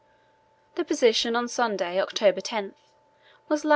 The position on Sunday, October 10, was lat.